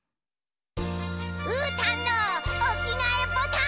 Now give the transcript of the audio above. うーたんのおきがえボタン。